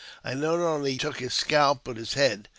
I not only took his scalp, but his head.